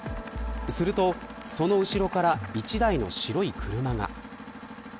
すると、その後ろから１台の白い車が。